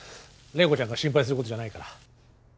麗子ちゃんが心配することじゃないから。